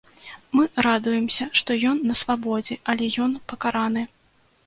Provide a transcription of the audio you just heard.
Мы радуемся, што ён на свабодзе, але ён пакараны.